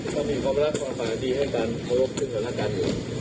ต้องมีความรักความปลอดภัยดีให้กันพรบถึงสถานการณ์